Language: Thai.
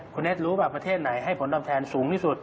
คุณเน็ตรู้ป่ะประเทศไหนให้ผลตอบแทนสูงที่สุด